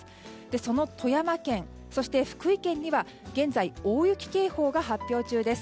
その富山県、そして福井県には現在、大雪警報が発表中です。